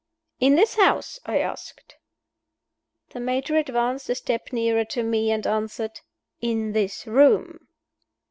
"In this house?" I asked. The Major advanced a step nearer to me, and answered "In this room."